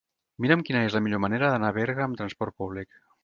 Mira'm quina és la millor manera d'anar a Berga amb trasport públic.